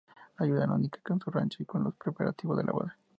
Ayuda a Única con su rancho y con los preparativos de la boda.